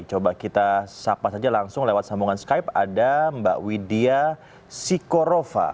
coba kita sapa saja langsung lewat sambungan skype ada mbak widya sikorofa